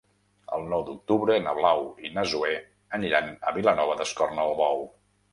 El nou d'octubre na Blau i na Zoè aniran a Vilanova d'Escornalbou.